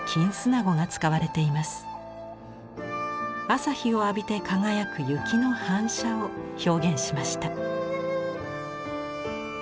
朝日を浴びて輝く雪の反射を表現しました。